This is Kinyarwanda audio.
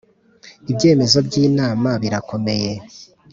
Ibyemezo by ‘Inama birakomeye.